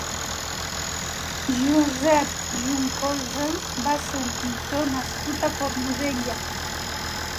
Josep Juncosa va ser un pintor nascut a Cornudella.